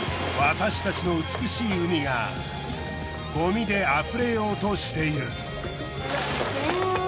私たちの美しい海がごみであふれようとしている。